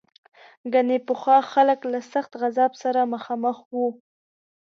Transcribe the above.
ګنې پخوا خلک له سخت عذاب سره مخ وو.